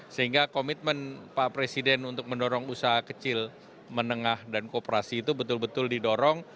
sehingga komitmen pak presiden untuk mendorong usaha kecil menengah dan kooperasi itu betul betul didorong